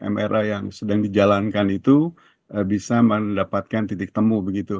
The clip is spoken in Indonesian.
mr yang sedang dijalankan itu bisa mendapatkan titik temu begitu